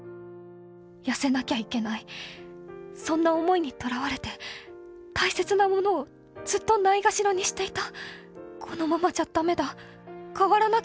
『痩せなきゃいけない』そんな想いにとらわれて大切なものをずっとないがしろにしていた」。